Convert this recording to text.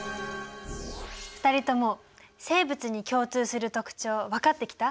２人とも生物に共通する特徴分かってきた？